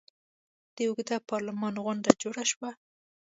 د اوږده پارلمان غونډه جوړه شوه.